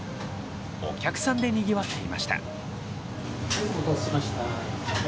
お客さんでにぎわっていました。